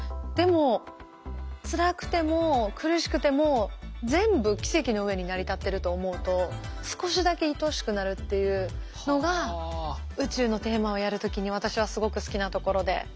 でもつらくても苦しくても全部奇跡の上に成り立ってると思うと少しだけいとおしくなるっていうのが宇宙のテーマをやる時に私はすごく好きなところで。